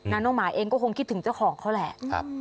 น้องหมาเองก็คงคิดถึงเจ้าของเขาแหละ